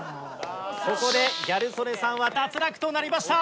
ここでギャル曽根さんは脱落となりました！